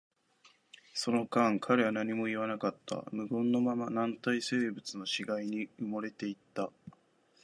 その間、彼は何も言わなかった。無言のまま、軟体生物の死骸に埋もれていった。